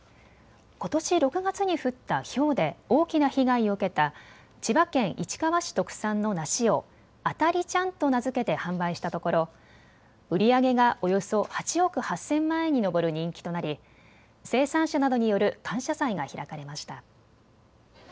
ことし６月に降ったひょうで大きな被害を受けた千葉県市川市特産の梨をあた梨ちゃんと名付けて販売したところ売り上げがおよそ８億８０００万円に上る人気となり生産者などによる感謝祭が開かれました。